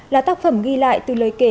là tác phẩm ghi lại từ lời kể